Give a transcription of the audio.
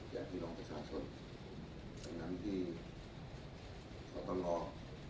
จากดินองประชาชนดังนั้นที่ขอตลอด